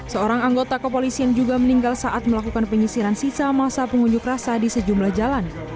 seorang anggota kepolisian juga meninggal saat melakukan penyisiran sisa masa pengunjuk rasa di sejumlah jalan